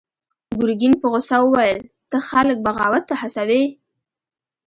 ګرګين په غوسه وويل: ته خلک بغاوت ته هڅوې!